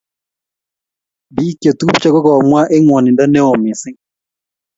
bik chetupcho ko komwa eng ngwanindo neo mising